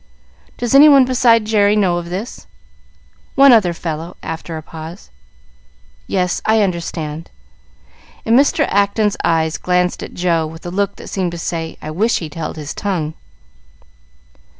"Does any one beside Jerry know of this?" "One other fellow," after a pause. "Yes, I understand;" and Mr. Acton's eye glanced at Joe with a look that seemed to say, "I wish he'd held his tongue."